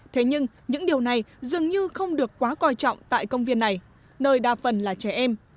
thế nhưng những điều này dường như không được quá coi trọng tại công viên này nơi đa phần là trẻ em